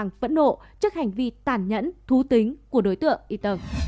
người hoang mang vẫn nộ trước hành vi tàn nhẫn thú tính của đối tượng eton